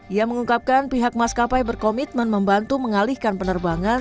ia mengungkapkan pihak maskapai berkomitmen membantu mengalihkan penerbangan